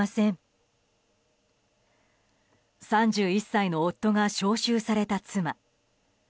３１歳の夫が招集された妻。